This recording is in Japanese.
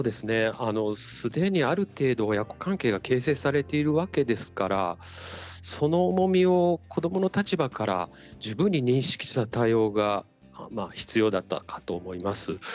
すでにある程度、親子関係が形成されているわけですからその重みを、子どもの立場から十分に認識した対応が必要だったかと思います。